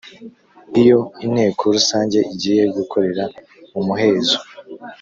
Iyo inteko rusange igiye gukorera mu muhezo